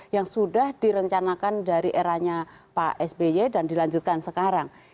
yang sudah direncanakan dari eranya pak sby dan dilanjutkan sekarang